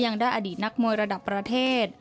ยังได้อดีตนักมวยระดับประเทศ